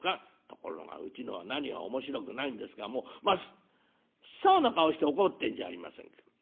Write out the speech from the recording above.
ところがうちのは何が面白くないんですかもう真っ青な顔して怒ってんじゃありませんか。